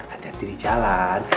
hati hati di jalan